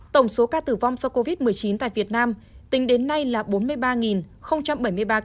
tổng số ca tử vong do covid một mươi chín tại việt nam tính đến nay là bốn mươi ba bảy mươi ba ca